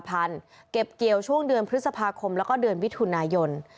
เก็บเกี่ยวช่วงเดือนพฤษภาคมแล้วก็เดือนมิถุนายน